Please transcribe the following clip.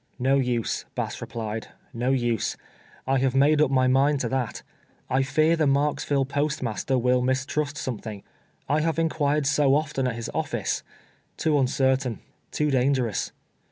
" 'No use," Bass replied, " no use. I have made up my mind to that. I fear the Marksville post master will mistrust something, I have incpiired so often at his office. Too uncertain — too dangerous."